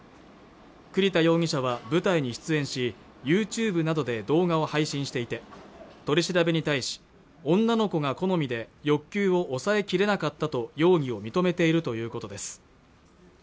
栗田容疑者は舞台に出演しＹｏｕＴｕｂｅなどで動画を配信していて取り調べに対し女の子が好みで欲求を抑え切れなかったと容疑を認めているということです